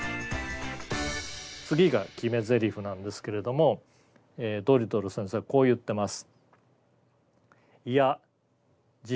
次が決めゼリフなんですけれどもえドリトル先生はこう言ってます。